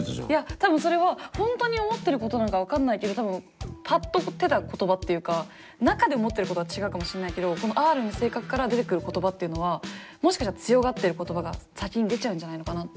多分それは本当に思ってることなのか分かんないけど多分パッと出た言葉っていうか中で思ってることは違うかもしれないけどこのアーロイの性格から出てくる言葉っていうのはもしかしたら強がってる言葉が先に出ちゃうんじゃないのかなって